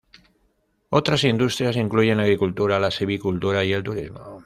Otras industrias incluyen la agricultura, la silvicultura y el turismo.